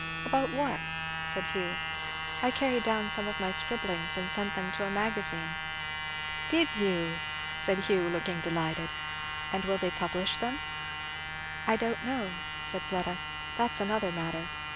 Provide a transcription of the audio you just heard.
"About what?" said Hugh. "I carried down some of my scribblings and sent them to a Magazine." "Did you!" said Hugh looking delighted. "And will they publish them?" "I don't know," said Fleda, "that's another matter.